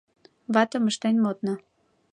Ватым ыштен модна.